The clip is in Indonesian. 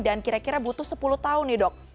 dan kira kira butuh sepuluh tahun ya dok